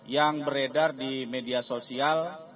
yang beredar di media sosial